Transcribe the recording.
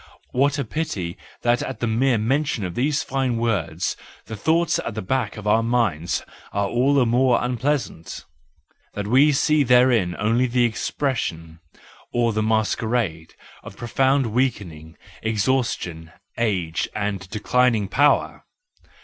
What a pity that at the mere mention of these fine words, the thoughts at the back of our minds are all the more unpleasant, that we 344 THE JOYFUL WISHOM, V see therein only the expression—or the masquerade —of profound weakening, exhaustion, age, and de¬ clining power!